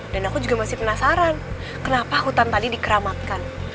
dan aku juga masih penasaran kenapa hutan tadi dikeramatkan